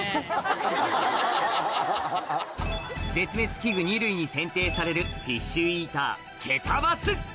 絶滅危惧類に選定されるフィッシュイーター「ケタバス」